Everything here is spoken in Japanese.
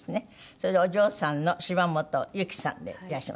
それでお嬢さんの柴本幸さんでいらっしゃいます。